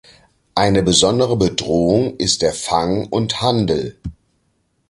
Eine besondere Bedrohung ist der Fang und Handel.